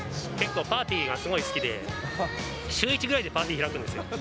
結構、パーティーがすごい好きで、週１ぐらいでパーティー開くんですよ。